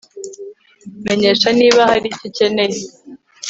Menyesha niba hari icyo ukeneye